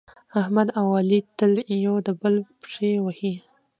احمد او علي تل یو د بل پښې وهي.